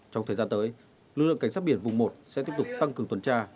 trong thời gian tới lực lượng cảnh sát biển vùng một sẽ tiếp tục tăng cường tuần tra